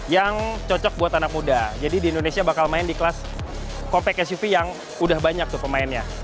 yang cocok buat anak muda jadi di indonesia bakal main di kelas compact suv yang udah banyak tuh pemainnya